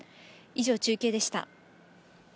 以上、中継でした。